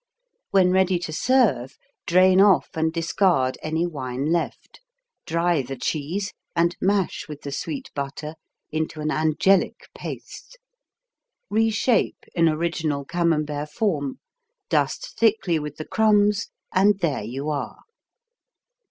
When ready to serve drain off and discard any wine left, dry the cheese and mash with the sweet butter into an angelic paste. Reshape in original Camembert form, dust thickly with the crumbs and there you are.